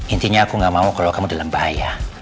intinya aku gak mau kalau kamu dalam bahaya